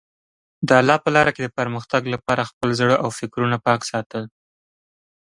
د الله په لاره کې د پرمختګ لپاره خپل زړه او فکرونه پاک ساتل.